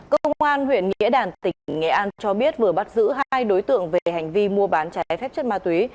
công an huyện nghĩa đàn tỉnh nghệ an cho biết vừa bắt giữ hai đối tượng về hành vi mua bán trái phép chất ma túy